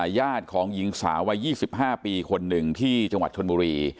ญาติของอีก๒๕ปีคนนึงที่จังหวัดชวนบุรี